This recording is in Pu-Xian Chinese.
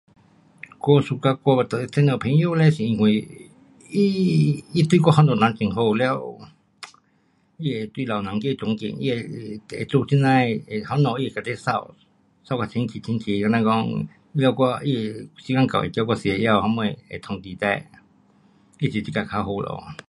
我 suka 交这，这样朋友嘞是因为他，他对我家里人很好，了，他会对老人家尊敬，他会做这呐的什么他会跟你扫，扫到清洁清洁，好像讲，了我他会时间到会叫我吃药什么，会通知你，那是很呀较好咯。